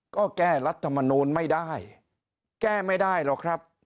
ก็แก้รัฐมนูลไม่ได้แก้ไม่ได้หรอกครับ